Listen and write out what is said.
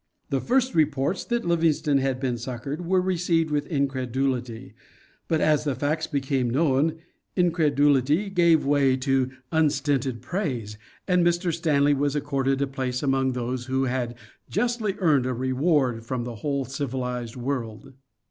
The first reports that Liy ingstone had been succored were received with incredulity, but as the facts became known incredulity gave way to unstinted. praise, and Mr. Stanley was accorded a place among those who had justly earned a reward from the whole civilized world.